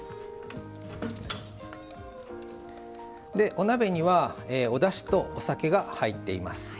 お鍋にはおだしとお酒が入っています。